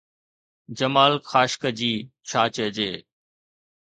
جمال Khashoggi, ڇا چئجي؟